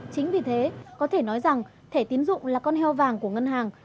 chính vì thế có thể nói rằng thẻ tiến dụng là con heo vàng của ngân hàng